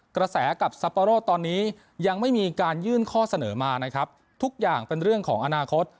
กระแสกับซัปโปโร่ตอนนี้ยังไม่มีการยื่นข้อเสนอมานะครับทุกอย่างเป็นเรื่องของอนาคต